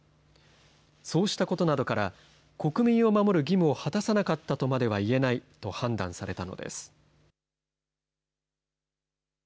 そうしたことなどから、国民を守る義務を果たさなかったとまでは言えないと判断されたのです。